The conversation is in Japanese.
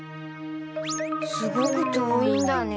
すごく遠いんだね。